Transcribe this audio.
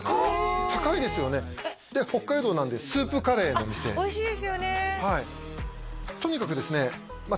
高いですよねで北海道なんでスープカレーの店おいしいですよねはいとにかくですね何で？